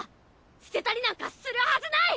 捨てたりなんかするはずない！